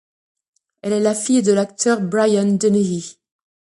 Elle est la fille de l'acteur Brian Dennehy.